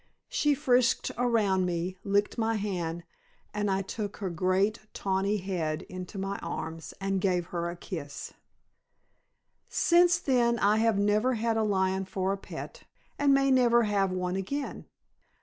She frisked around me, licked my hand, and I took her great tawny head into my arms, and gave her a kiss. Since then I have never had a lion for a pet, and may never have one again.